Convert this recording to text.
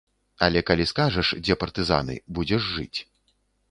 Але калі скажаш, дзе партызаны, будзеш жыць.